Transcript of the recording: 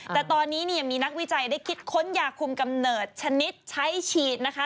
แต่ตอนนี้เนี่ยมีนักวิจัยได้คิดค้นยาคุมกำเนิดชนิดใช้ฉีดนะคะ